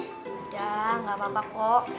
udah gak papa kok